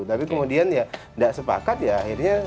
tapi kemudian ya tidak sepakat ya akhirnya